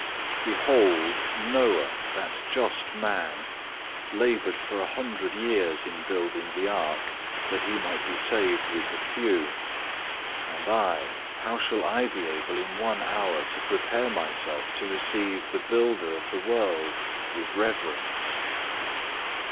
4. Behold, Noah, that just man, laboured for a hundred years in building the ark, that he might be saved with the few; and I, how shall I be able in one hour to prepare myself to receive the Builder of the world with reverence?